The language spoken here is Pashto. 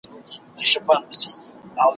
په کمزوري لښکر ګډه سوله ماته `